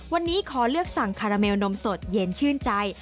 วันนี้ขอเลือกสั่งคาราเมลนมสดเย็นชื่นใจ